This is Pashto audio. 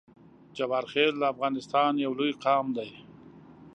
جبارخیل د افغانستان یو لوی قام دی